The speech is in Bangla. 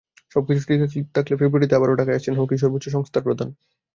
সবকিছু ঠিক থাকলে ফেব্রুয়ারিতে আবারও ঢাকায় আসছেন হকির সর্বোচ্চ সংস্থার প্রধান।